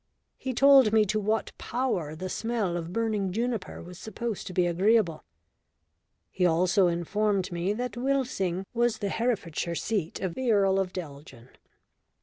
He told me to what Power the smell of burning juniper was supposed to be agreeable. He also informed me that Wilsing was the Herefordshire seat of the Earl of Deljeon.